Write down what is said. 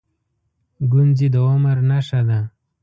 گونځې د عمر نښه ده.